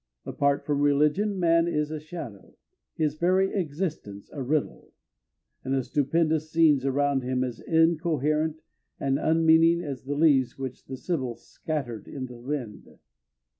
Apart from religion man is a shadow, his very existence a riddle, and the stupendous scenes around him as incoherent and unmeaning as the leaves which the sibyl scattered in the wind.